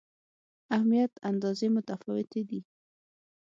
اهمیت اندازې متفاوتې دي.